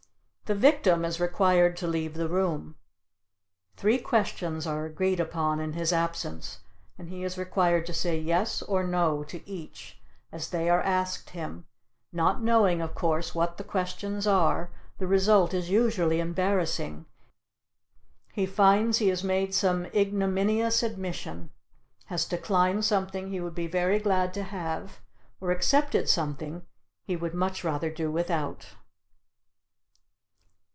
The victim is required to leave the room. Three questions are agreed upon in his absence, and he is requested to say "yes" or "no" to each as they are asked him, not knowing, of course, what the questions are, the result is usually embarrassing, he finds he has made some ignominious admission, has declined something he would be very glad to have or accepted something he would much rather do without.